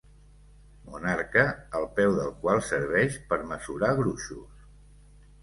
Monarca el peu del qual serveix per mesurar gruixos.